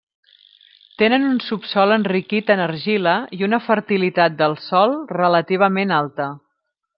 Tenen un subsòl enriquit en argila i una fertilitat del sòl relativament alta.